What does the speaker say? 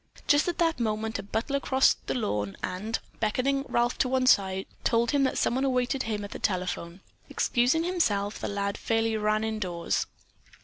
Just at that moment a butler crossed the lawn and, beckoning Ralph to one side, told him that someone awaited him at the telephone. Excusing himself, the lad fairly ran indoors.